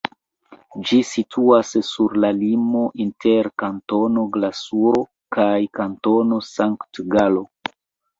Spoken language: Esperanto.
Ĝi situas sur la limo inter Kantono Glaruso kaj Kantono Sankt-Galo.